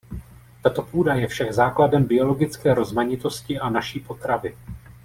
Tato půda je však základem biologické rozmanitosti a naší potravy.